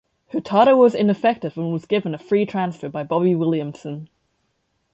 Hurtado was ineffective and was given a free transfer by Bobby Williamson.